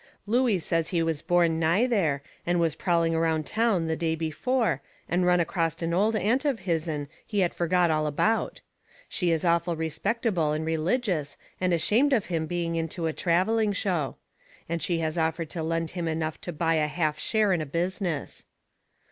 Looey says he was born nigh there, and was prowling around town the day before and run acrost an old aunt of his'n he had forgot all about. She is awful respectable and religious and ashamed of him being into a travelling show. And she has offered to lend him enough to buy a half share in a business.